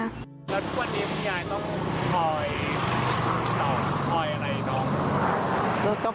แล้วทุกวันนี้คุณยายต้องคอยต่อคอยอะไรน้อง